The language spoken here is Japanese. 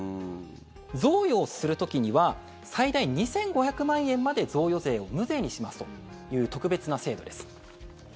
贈与をする時には最大２５００万円まで贈与税を無税にしますという特別な制度です。